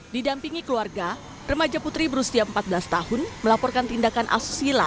didampingi keluarga remaja putri berusia empat belas tahun melaporkan tindakan asusila